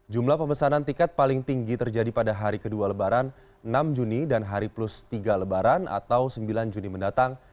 jumlah pemesanan tiket paling tinggi terjadi pada hari kedua lebaran enam juni dan hari plus tiga lebaran atau sembilan juni mendatang